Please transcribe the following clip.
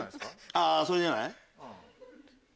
あぁそれじゃない？